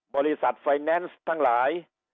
บริษัทไฟแนนซ์ทั้งหลาย